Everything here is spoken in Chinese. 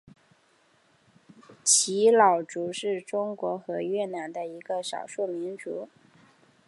仡佬族是中国和越南的一个少数民族。